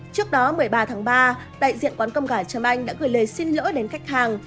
trước đó một mươi ba tháng ba đại diện quán cơm gà trâm anh đã gửi lời xin lỗi đến khách hàng